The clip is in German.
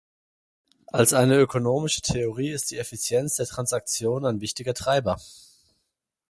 Als eine "ökonomische Theorie" ist die Effizienz der Transaktionen ein wichtiger Treiber.